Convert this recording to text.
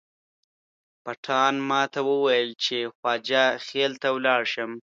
پټان ماته وویل چې خواجه خیل ته ولاړ شم.